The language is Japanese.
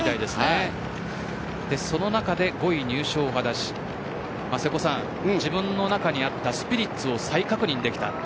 その中で５位入賞を果たし自分の中にあったスピリッツを再確認できた。